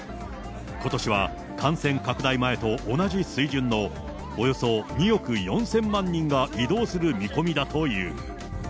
ことしは感染拡大前と同じ水準のおよそ２億４０００万人が移動する見込みだという。